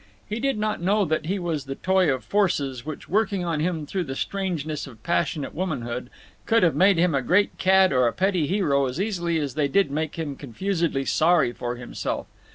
He did not know that he was the toy of forces which, working on him through the strangeness of passionate womanhood, could have made him a great cad or a petty hero as easily as they did make him confusedly sorry for himself.